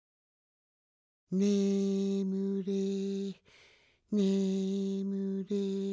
「ねむれねむれ」